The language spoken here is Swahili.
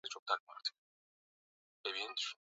Jina linajengwa na neno msimu la Kiunguja maarufu kama Zenji